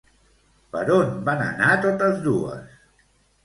Per on van anar totes dues?